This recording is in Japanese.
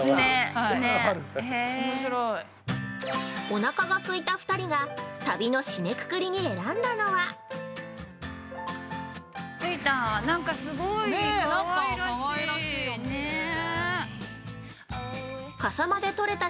◆おなかがすいた２人が、旅の締めくくりに選んだのは◆着いた。